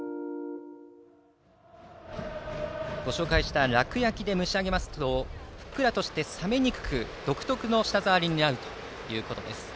ご紹介した楽焼で蒸し上げますとふっくらして冷めにくく独特の舌触りになるということです。